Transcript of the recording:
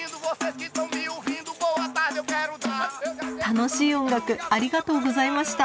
楽しい音楽ありがとうございました。